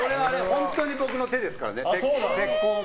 本当に僕の手ですからね。